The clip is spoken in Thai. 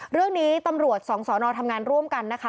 เรื่องนี้ตำรวจสองสอนอทำงานร่วมกันนะคะ